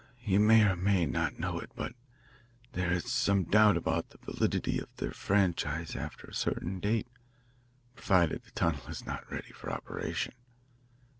You may or may not know it, but there is some doubt about the validity of their franchise after a certain date, provided the tunnel is not ready for operation.